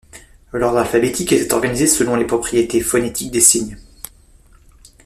L’ordre alphabétique est organisé selon les propriétés phonétiques des signes.